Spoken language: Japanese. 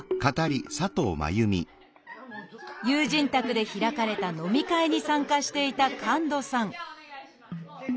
友人宅で開かれた飲み会に参加していた神門さん